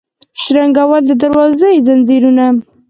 شرنګول د دروازو یې ځنځیرونه